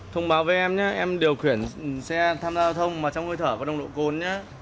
thông báo với em nhé em điều khiển xe tham gia giao thông trong hơi thở và đồng độ côn nhé